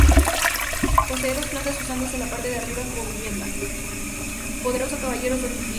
Poderoso caballero es don Dinero